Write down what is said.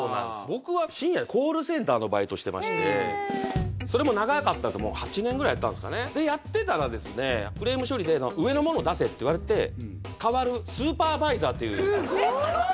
僕は深夜コールセンターのバイトしてましてそれも長かったんですもう８年ぐらいやったんですかねでやってたらですねクレーム処理で「上の者出せ」って言われて代わるスーパーバイザーというすごい！